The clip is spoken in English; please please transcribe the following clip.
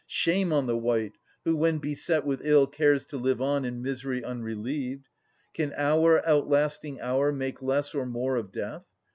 Shame on the wight who when beset with ill Cares to live on in misery unrelieved. Can hour outlasting hour make less or more Of death